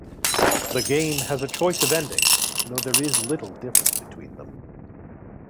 The game has a choice of endings, though there is little difference between them.